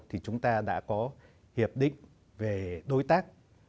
thì chúng ta đã có hiệp định về đối tác